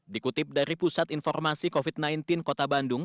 dikutip dari pusat informasi covid sembilan belas kota bandung